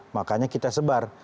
makanya kita sebar